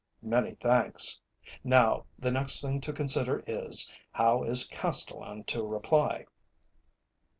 "Many thanks. Now the next thing to consider is, how is Castellan to reply."